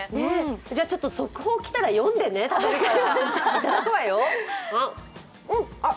じゃ、速報来たら読んでね、食べるから。